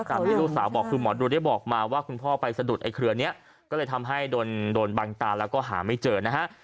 ที่ลูกสาวบอกคือหมอดูได้บอกมาว่าคุณพ่อไปสะดุดไอเครือนี้ก็เลยทำให้โดนบังตาแล้วก็หาไม่เจอนะฮะ